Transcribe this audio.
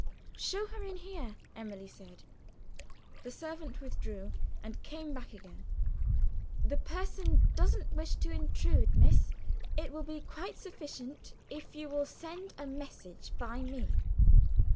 "Show her in here," Emily said. The servant withdrew, and came back again. "The person doesn't wish to intrude, miss; it will be quite sufficient if you will send a message by me."